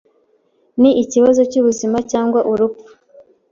Ni ikibazo cyubuzima cyangwa urupfu.